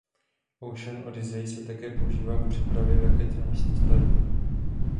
Ocean Odyssey se také používá k přepravě raket na místo startu.